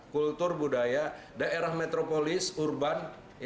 kultur budaya daerah metropolis urban